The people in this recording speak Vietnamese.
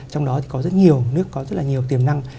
trong đó thì có rất nhiều nước có rất là nhiều tiềm năng